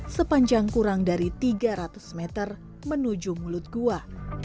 sepanjang kurang dari tiga ratus meter menuju mulut gua